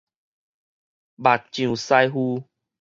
木匠師傅